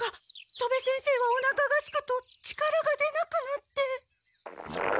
戸部先生はおなかがすくと力が出なくなって。